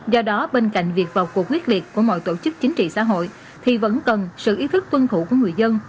do đó bên cạnh việc vào cuộc quyết liệt của mọi tổ chức chính trị xã hội thì vẫn cần sự ý thức tuân thủ của người dân